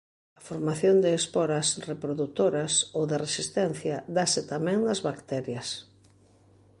A formación de esporas reprodutoras ou de resistencia dáse tamén nas bacterias.